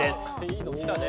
いいのきたね。